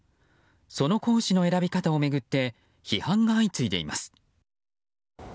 その講師の選び方を巡って批判が相次いでます。